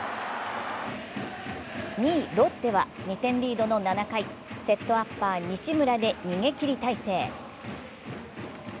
２位・ロッテは２点リードの７回、セットアッパー・西村で逃げ切り体制。